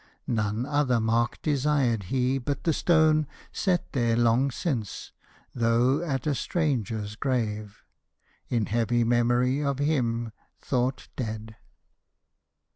None other mark desired he but the stone Set there long since, though at a stranger's grave, In heavy memory of him thought dead.